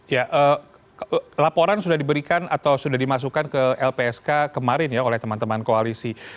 ya laporan sudah diberikan atau sudah dimasukkan ke lpsk kemarin ya oleh teman teman koalisi